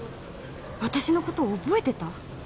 私のこと覚えてた？